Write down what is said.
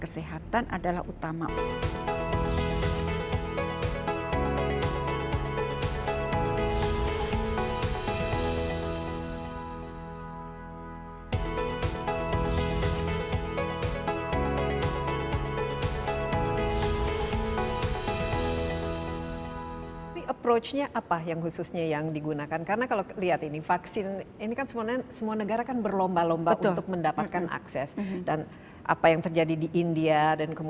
situasinya banyak sekali uncertainties